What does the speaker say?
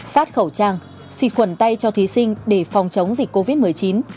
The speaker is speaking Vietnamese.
phát khẩu trang xịt khuẩn tay cho thí sinh để phòng chống dịch covid một mươi chín